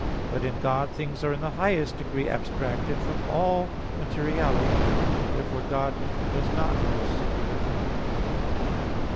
But in God things are in the highest degree abstracted from all materiality. Therefore God does not know singular things.